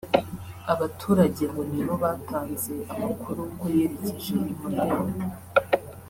Abaturage ngo ni bo batanze amakuru ko yerekeje i Mudende